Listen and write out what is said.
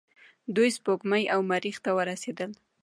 دوی سپوږمۍ او مریخ ته ورسیدل.